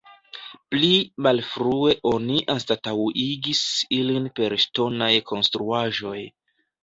Pli malfrue oni anstataŭigis ilin per ŝtonaj konstruaĵoj.